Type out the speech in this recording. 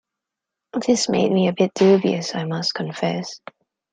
This made me a bit dubious, I must confess.